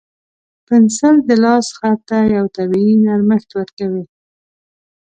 پنسل د لاس خط ته یو طبیعي نرمښت ورکوي.